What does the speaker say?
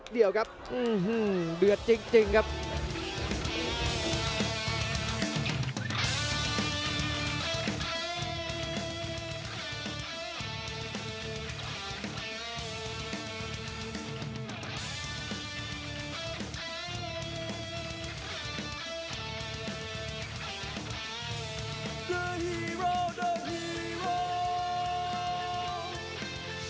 โอ้โหไม่พลาดกับธนาคมโดโด้แดงเขาสร้างแบบนี้